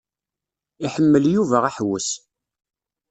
Iḥemmel Yuba aḥewwes.